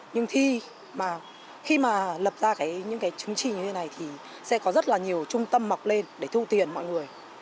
nhưng khi mà khi mà lập ra những cái chứng chỉ như này thì sẽ có rất là nhiều trung tâm mọc lên để thu tiền mọi người